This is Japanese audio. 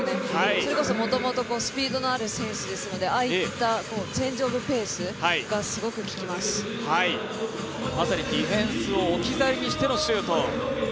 それこそ、もともとスピードのある選手ですのでああいったチェンジオブペースがまさにディフェンスを置き去りにしてのシュート。